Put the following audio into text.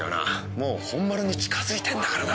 もう本丸に近づいてんだからな。